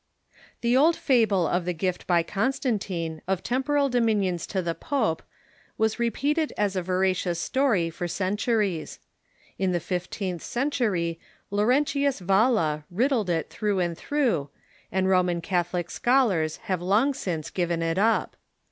1892.] The old fable of the gift by Constantine of temporal do minions to the pope was repeated as a veracious story for Growth of the centuries. In the fifteenth centurj^ Laurentius Temporal Lordship Valla riddled it through and through, and Ro of the Pope ^^^^^ Catholic scholars have long since given it up.